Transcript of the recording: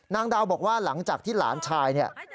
นางดาวบอกว่าหลังจากที่หลานชายเนี่ย